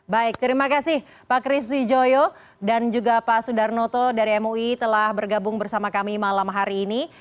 baik terima kasih pak kris wijoyo dan juga pak sudarnoto dari mui telah bergabung bersama kami malam hari ini